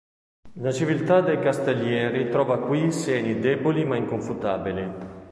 La civiltà dei castellieri trova qui segni deboli, ma inconfutabili.